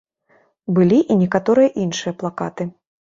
Былі і некаторыя іншыя плакаты.